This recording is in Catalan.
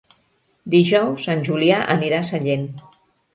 Dijous en Julià anirà a Sallent.